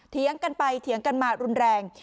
เถียงกันไปเถียงกันมารุนแรง